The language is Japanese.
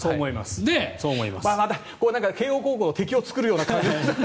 慶応高校の敵を作るような感じで。